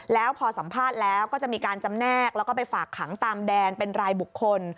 แล้วพอสัมภาษณ์แล้วก็จะมีการจำแนกแล้วก็ไปฝากขังตามแดนเป็นรายบุคคล